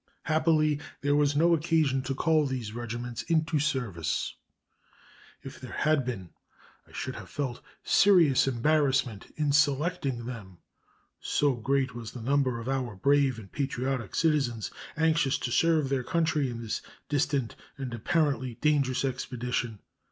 Happily, there was no occasion to call these regiments into service. If there had been, I should have felt serious embarrassment in selecting them, so great was the number of our brave and patriotic citizens anxious to serve their country in this distant and apparently dangerous expedition.